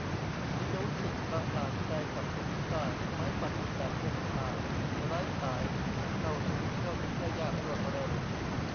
คุณจะรู้สึกประหลาดใจกับผลที่ได้ ไม้ปัดฝุ่นแบบพกพา ไร้สาย เข้าถึงที่เข้าถึงได้ยาก รวดเร็ว